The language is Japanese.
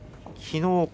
きのう